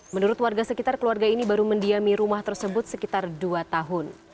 menurut warga sekitar keluarga ini baru mendiami rumah tersebut sekitar dua tahun